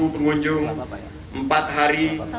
pengunjung empat hari